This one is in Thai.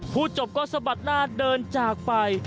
พูดจบก็สะบัดหน้าเดินจากไป